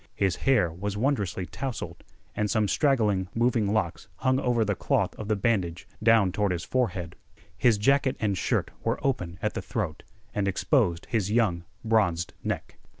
His hair was wondrously tousled, and some straggling, moving locks hung over the cloth of the bandage down toward his forehead. His jacket and shirt were open at the throat, and exposed his young bronzed neck.